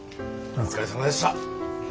お疲れさまでした。